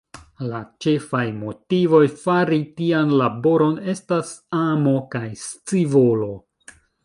La ĉefaj motivoj fari tian laboron estas amo kaj scivolo.